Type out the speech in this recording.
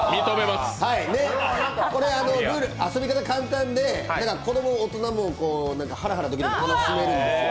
これ遊び方簡単で子供も大人もハラハラドキドキ楽しめるんですよ。